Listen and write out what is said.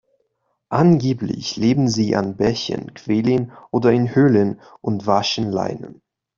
Angeblich leben sie an Bächen, Quellen oder in Höhlen und waschen Leinen.